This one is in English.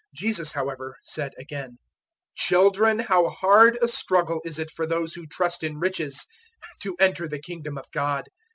Jesus, however, said again, "Children, how hard a struggle is it for those who trust in riches to enter the Kingdom of God!